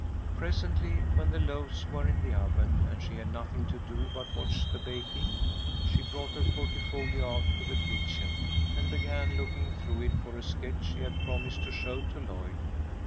Presently, when the loaves were in the oven, and she had nothing to do but watch the baking, she brought her portfolio out to the kitchen and began looking through it for a sketch she had promised to show to Lloyd.